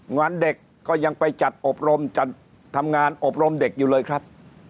งานเด็กก็ยังไปจัดอบรมจัดทำงานอบรมเด็กอยู่เลยครับ